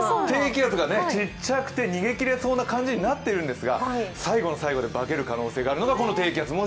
低気圧がちっちゃくて逃げきれそうな感じになっているんですが最後の最後で化ける可能性があるのがこの低気圧。